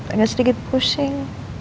agak sedikit pusing